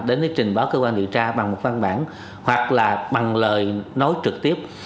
để nó trình báo cơ quan điều tra bằng một văn bản hoặc là bằng lời nói trực tiếp